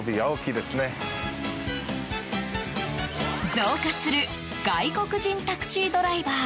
増加する外国人タクシードライバー。